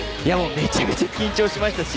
めちゃくちゃ緊張しましたし